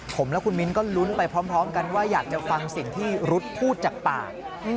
ผมและคุณมิ้นก็ลุ้นไปพร้อมกันว่าอยากจะฟังสิ่งที่รุ๊ดพูดจากปาก